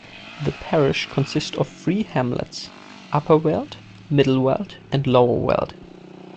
The parish consists of three hamlets: Upper Weald, Middle Weald and Lower Weald.